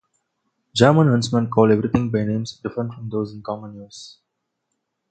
German huntsmen call everything by names different from those in common use.